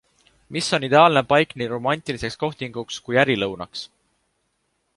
Mis on ideaalne paik nii romantiliseks kohtinguks kui ärilõunaks?